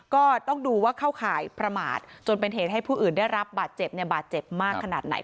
ก็ต้องดูว่าเข้าข่ายประมาทจนเป็นเหตุให้ผู้อื่นได้รับบาดเจ็บบาดเจ็บมากขนาดไหน